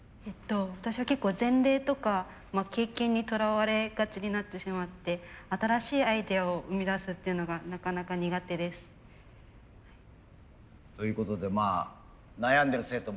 私は結構前例とか経験にとらわれがちになってしまって新しいアイデアを生み出すっていうのがなかなか苦手です。ということでまあ悩んでる生徒も多いみたいです先生。